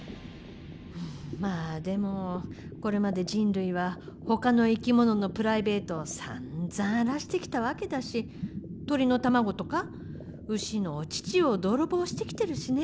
うんまあでもこれまで人類はほかの生き物のプライベートをさんざん荒らしてきたわけだし鶏の卵とか牛のお乳を泥棒してきてるしね。